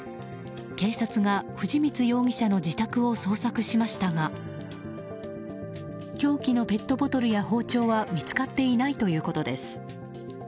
警察が藤光容疑者の自宅を捜索しましたが凶器のペットボトルや包丁は見つかっていないということです。